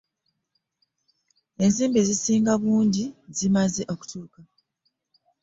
Ensimbi ezisinga obungi zimaze okutuuka.